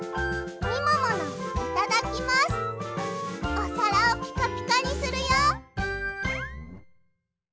おさらをピカピカにするよ！